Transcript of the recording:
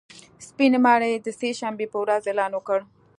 سپینې ماڼۍ د سې شنبې په ورځ اعلان وکړ